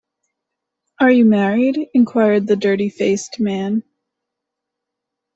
‘Are you married?’ inquired the dirty-faced man.